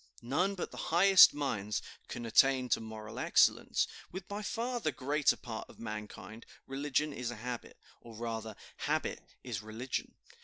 "None but the highest minds can attain to moral excellence. With by far the greater part of mankind religion is a habit; or rather habit is religion.